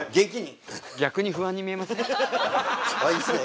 逆に不安に見えません？